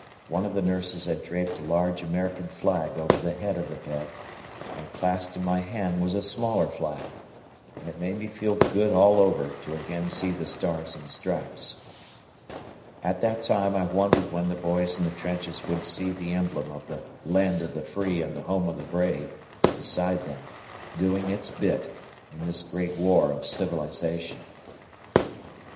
One of the nurses had draped a large American flag over the head of the bed, and clasped in my hand was a smaller flag, and it made me feel good all over to again see the "Stars and Stripes." At that time I wondered when the boys in the trenches would see the emblem of the "land of the free and the home of the brave" beside them, doing its bit in this great war of civilization.